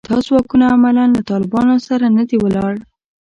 دا ځواکونه عملاً له طالبانو سره نه دي ولاړ